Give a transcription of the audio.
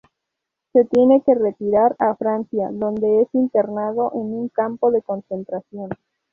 Se tiene que retirar a Francia donde es internado en un campo de concentración.